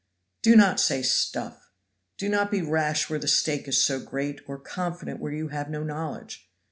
"Do not say stuff! Do not be rash where the stake is so great, or confident where you have no knowledge.